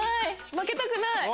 負けたくない！